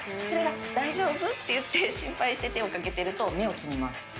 それが「大丈夫？」って心配して手を掛けてると芽を摘みます。